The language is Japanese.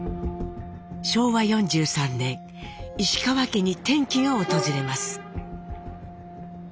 昭和４３年石川家に転機が訪れます。